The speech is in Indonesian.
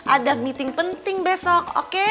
ada meeting penting besok oke